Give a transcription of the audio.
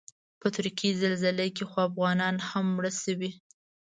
په ترکیې زلزله کې خو افغانان هم مړه شوي.